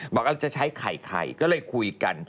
บอกเอาจะใช้ไข่ก็เลยคุยกัน